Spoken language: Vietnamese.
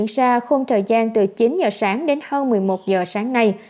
ra khung thời gian từ chín giờ sáng đến hơn một mươi một giờ sáng nay